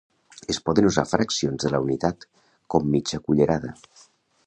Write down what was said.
Es poden usar fraccions de la unitat, com mitja cullerada.